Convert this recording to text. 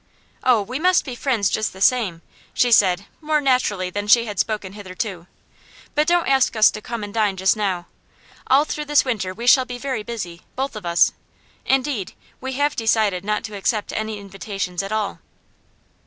'Oh, we must be friends just the same,' she said, more naturally than she had spoken hitherto. 'But don't ask us to come and dine just now. All through this winter we shall be very busy, both of us. Indeed, we have decided not to accept any invitations at all.